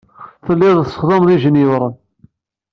Telliḍ tessexdameḍ ijenyuṛen.